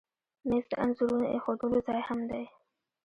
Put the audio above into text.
مېز د انځورونو ایښودلو ځای هم دی.